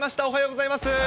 おはようございます。